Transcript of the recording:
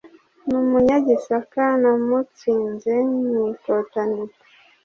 N'umunyagisaka namutsinze mu ikotaniro;